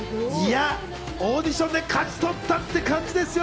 オーディションで勝ち取ったって感じですよ。